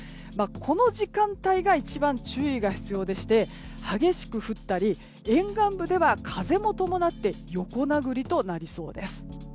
この時間帯が一番注意が必要でして激しく降ったり沿岸部では風も伴って横殴りとなりそうです。